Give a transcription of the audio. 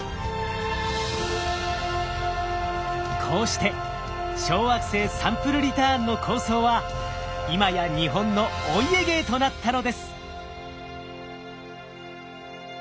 こうして小惑星サンプルリターンの構想は今や日本のお家芸となったのです。